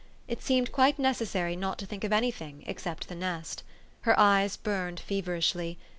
It seemed quite necessary not to think of any thing except the nest. Her eyes burned feverishly.